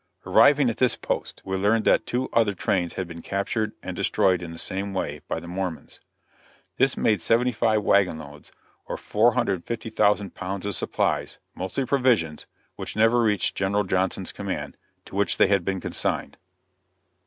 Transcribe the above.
Arriving at this post, we learned that two other trains had been captured and destroyed in the same way, by the Mormons. This made seventy five wagon loads, or 450,000 pounds of supplies, mostly provisions, which never reached General Johnson's command, to which they had been consigned.